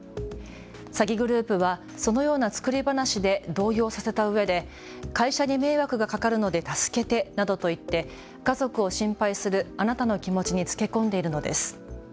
詐欺グループはそのような作り話で動揺させたうえで会社に迷惑がかかるので助けてなどと言って家族を心配するあなたの気持ちにつけ込んでいるのです。